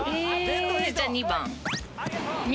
じゃあ②番。